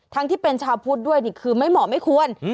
ที่เป็นชาวพุทธด้วยนี่คือไม่เหมาะไม่ควร